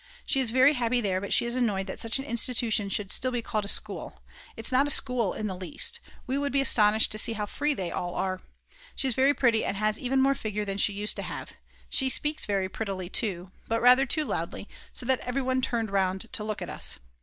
She is very happy there, but she is annoyed that such an institution should still be called a school; it's not a school in the least; we would be astonished to see how free they all are. She is very pretty and has even more figure than she used to have. She speaks very prettily too, but rather too loudly, so that everyone turned round to look at us.